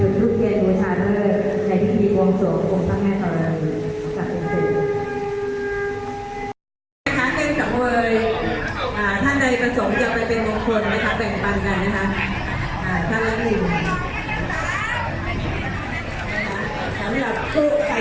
อยู่ทุกเกียรติประชาธิเผอร์ในพิธีวงศงวงศักดิ์แม่ต่อละรันดีปรับปรับปรับปริศนา